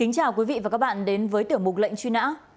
xin chào quý vị và các bạn đến với tiểu mục lệnh truy nã